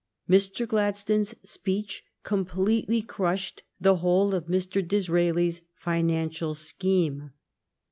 Mr. Gladstone's speech completely crushed the whole of Mr. Dis raeli's financial scheme.